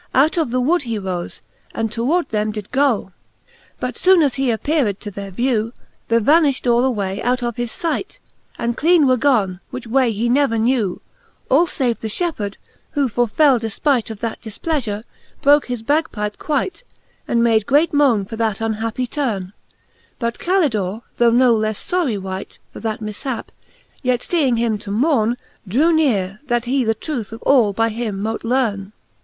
Out of the wood lie rofe, and toward them did go. XVIII. But Canto X. the Faerie ^eene. ^^j XVIII. But foone as he appeared to their vcw, They vanifht all away out of his fight, And cleane were gone, which way he never knew ; All fave the fhepheard, who for fell defpight Of that difpleafure, broke his bag pipe quight, And made great mone for that unhappy turne. But Calidorey though no ieffe fory wight For that mifhap, yet fjeing him to mourne, Drew neare, that he the truth of all by him mote learne.